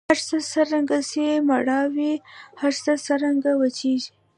هرڅه څرنګه سي مړاوي هر څه څرنګه وچیږي